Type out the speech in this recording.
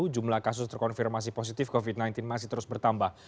jumlah kasus terkonfirmasi positif covid sembilan belas masih terus bertambah